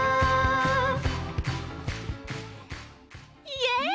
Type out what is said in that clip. イエーイ！